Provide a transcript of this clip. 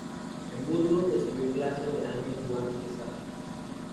En Burgos, recibió clases de Ángel Juan Quesada.